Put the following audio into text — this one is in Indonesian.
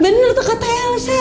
bener tuh kata yelza